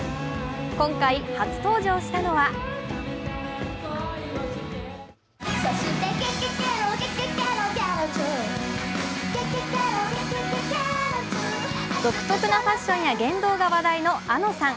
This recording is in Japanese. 今回、初登場したのは独特なファッションや言動が話題のａｎｏさん。